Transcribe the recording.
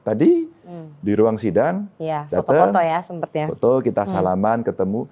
tadi di ruang sidang datang foto kita salaman ketemu